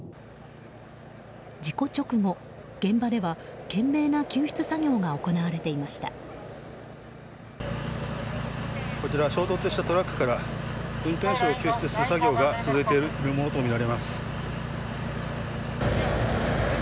事故直後、現場では懸命な救出作業がこちら、衝突したトラックから運転手を救出する作業が続いているものとみられます。